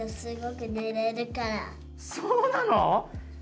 そうなの？